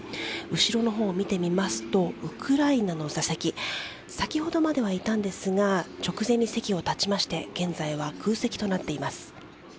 後ろの方を見ていますとウクライナの座席先ほどまでは、いたんですが直前に席を立ちまして現在は空席となっています。